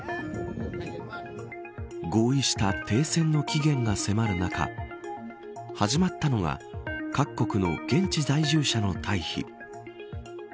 合意した停戦の期限が迫る中始まったのは各国の現地在住者の退避。